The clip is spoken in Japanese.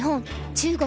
中国